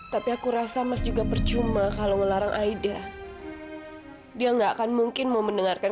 tapi aku rasa mas juga percuma kalau ngelarang aida dia nggak akan mungkin mau mendengarkan